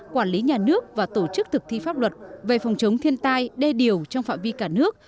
quản lý nhà nước và tổ chức thực thi pháp luật về phòng chống thiên tai đê điều trong phạm vi cả nước